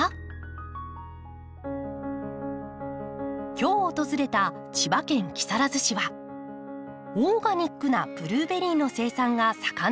今日訪れた千葉県木更津市はオーガニックなブルーベリーの生産が盛んな地域です。